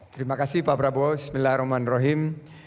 terima kasih pak prabowo bismillahirrahmanirrahim